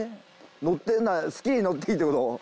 乗って好きに乗っていいってこと？